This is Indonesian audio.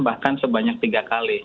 bahkan sebanyak tiga kali